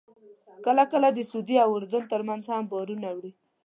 کله کله د سعودي او اردن ترمنځ هم بارونه وړي.